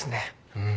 うん。